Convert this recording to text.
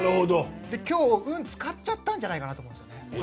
今日、運を使っちゃったんじゃないかなと思います。